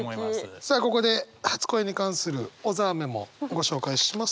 さあここで初恋に関する小沢メモご紹介します。